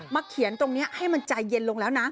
เขียนตรงนี้ให้มันใจเย็นลงแล้วนะ